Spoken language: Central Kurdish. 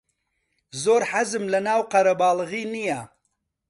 زۆر حەزم لەناو قەرەباڵغی نییە.